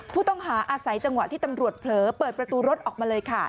ผู้ต้องหาอาศัยจังหวะที่ตำรวจเผลอเปิดประตูรถออกมาเลยค่ะ